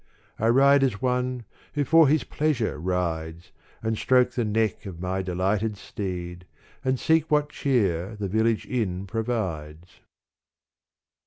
I ride as one who for his pleasure rides And stroke the neck of my delighted steed And seek what cheer the village inn provides.